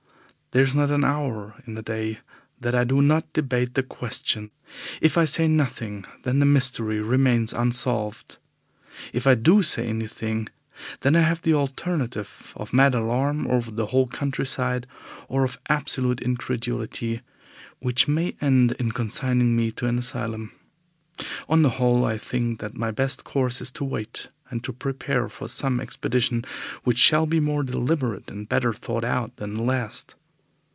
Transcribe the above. There is not an hour in the day that I do not debate the question. If I say nothing, then the mystery remains unsolved. If I do say anything, then I have the alternative of mad alarm over the whole countryside, or of absolute incredulity which may end in consigning me to an asylum. On the whole, I think that my best course is to wait, and to prepare for some expedition which shall be more deliberate and better thought out than the last.